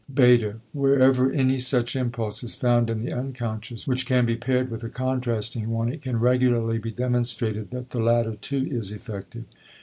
Beta. Wherever any such impulse is found in the unconscious which can be paired with a contrasting one, it can regularly be demonstrated that the latter, too, is effective.